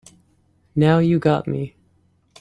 Now you got me.